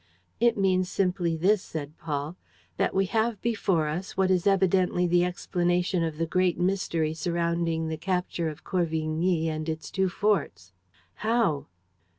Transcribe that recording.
"It means simply this," said Paul, "that we have before us what is evidently the explanation of the great mystery surrounding the capture of Corvigny and its two forts." "How?"